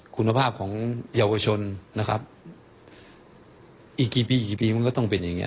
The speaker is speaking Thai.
คุณภาพของเยาวชนนะครับอีกกี่ปีกี่ปีมันก็ต้องเป็นอย่างนี้